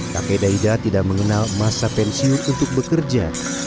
kakek daida tidak mengenal masa pensiun untuk bekerja